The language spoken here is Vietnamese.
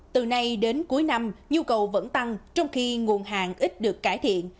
từ nay đến cuối năm nhu cầu vẫn tăng trong khi nguồn hàng ít được cải thiện